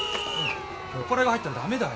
酔っ払いが入ったらダメだよ。